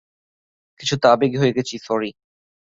কিছুটা আবেগী হয়ে গেছি, স্যরি।